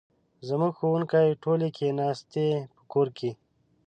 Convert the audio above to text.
زموږ ښوونکې ټولې کښېناستي په کور کې